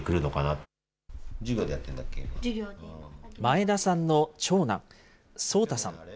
前田さんの長男、蒼太さん。